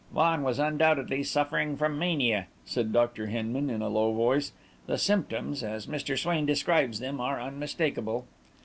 "Vaughan was undoubtedly suffering from mania," said Dr. Hinman, in a low voice. "The symptoms, as Mr. Swain describes them, are unmistakable."